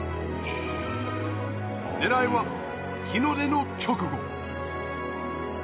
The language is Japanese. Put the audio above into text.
狙いは日の出の直後。